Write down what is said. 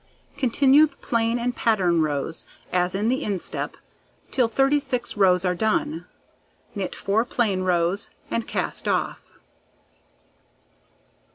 Continue the plain and pattern rows as in the instep till 36 rows are done; knit 4 plain rows, and cast off.